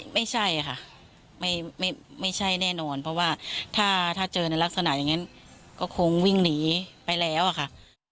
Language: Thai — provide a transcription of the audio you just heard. ไม่ใช่ค่ะไม่ใช่แน่นอนเพราะว่าถ้าเจอในลักษณะอย่างนั้นก็คงวิ่งหนีไปแล้วอะค่ะ